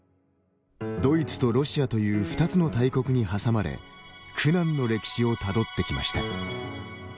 ドイツとロシアという２つの大国に挟まれ苦難の歴史をたどってきました。